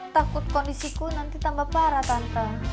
takut kondisiku nanti tambah parah tantang